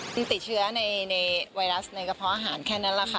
ติดเชื้อในไวรัสในกระเพาะอาหารแค่นั้นแหละค่ะ